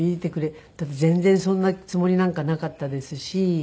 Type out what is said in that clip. だって全然そんなつもりなんかなかったですし。